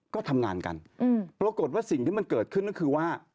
ก็ทำงานกันปรากฏว่าสิ่งที่มันเกิดขึ้นก็คือว่า